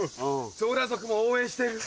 ゾーラ族も応援してるよ。